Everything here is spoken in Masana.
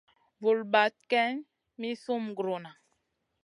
Vul bahd geyn mi sum gurona.